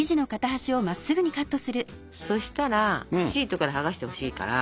そしたらシートから剥がしてほしいから。